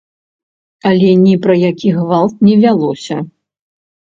Але ні пра які гвалт не вялося.